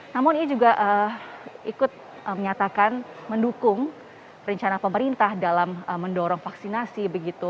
namun ia juga ikut menyatakan mendukung rencana pemerintah dalam mendorong vaksinasi begitu